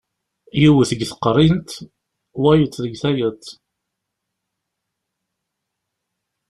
Yiwet deg teqrint, wayeḍ deg tayeḍ.